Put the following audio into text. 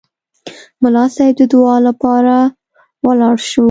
ملا صیب د دعا لپاره ولاړ شو.